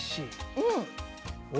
うん！